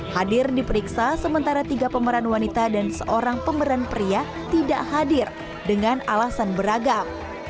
hadir diperiksa sementara tiga pemeran wanita dan seorang pemeran pria tidak hadir dengan alasan beragam